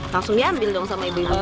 langsung diambil dong sama ibu ibu